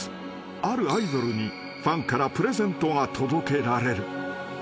［あるアイドルにファンからプレゼントが届けられる］